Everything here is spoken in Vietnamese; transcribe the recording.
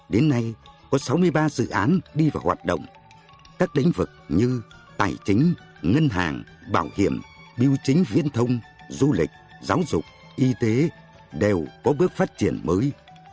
đến nay có sáu mươi ba dự án đi vào hoạt động các lĩnh vực như tài chính ngân hàng bảo hiểm biểu chính viễn thông du lịch giáo dục y tế đều có bước phát triển mới